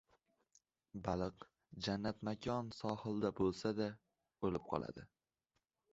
Baliq jannatmakon sohilda bo‘lsa-da, o‘lib qoladi.